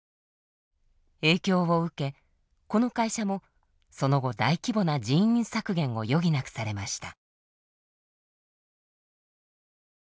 影響を受けこの会社もその後大規模な人員削減を余儀なくされました。